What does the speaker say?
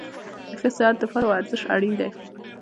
د ښه صحت دپاره ورزش اړین ده